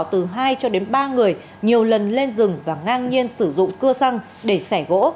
từ hai cho đến ba người nhiều lần lên rừng và ngang nhiên sử dụng cưa xăng để xẻ gỗ